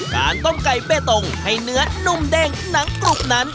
การต้มไก่เบตงให้เนื้อนุ่มเด้งหนังกรุบนั้น